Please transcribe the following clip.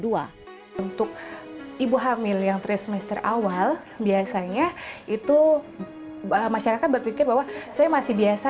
untuk ibu hamil yang tiga semester awal biasanya itu masyarakat berpikir bahwa saya masih biasa